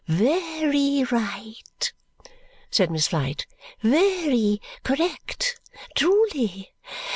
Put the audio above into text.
"Ve ry right!" said Miss Flite, "Ve ry correct. Truly!